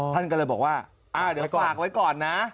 ท่านก็เลยบอกว่าเดี๋ยวฝากไว้ก่อนนะ